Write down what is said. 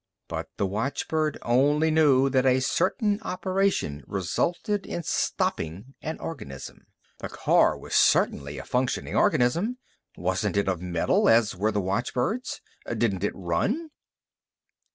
But the watchbird only knew that a certain operation resulted in stopping an organism. The car was certainly a functioning organism. Wasn't it of metal, as were the watchbirds? Didn't it run?